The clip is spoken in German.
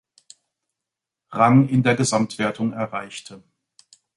Rang in der Gesamtwertung erreichte.